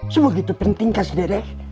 sebegitu pentingkah si dede